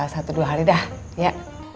satu dua hari dah ya